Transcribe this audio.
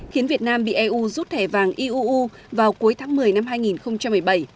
khiến việt nam bị eu rút thẻ vàng iuu vào cuối tháng một mươi năm hai nghìn một mươi bảy